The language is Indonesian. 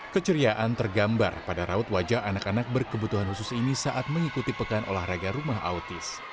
keceriaan tergambar pada raut wajah anak anak berkebutuhan khusus ini saat mengikuti pekan olahraga rumah autis